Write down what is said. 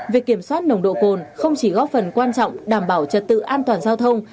việc kiểm soát nồng độ cồn không chỉ góp phần quan trọng đảm bảo trật tự an toàn giao thông